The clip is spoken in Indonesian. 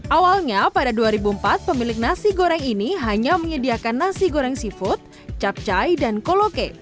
awalnya pada dua ribu empat pemilik nasi goreng ini hanya menyediakan nasi goreng seafood capcai dan koloke